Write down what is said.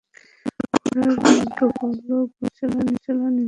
ঘোড়া এবং উটগুলো যাচ্ছিল নিজস্ব গতিতে।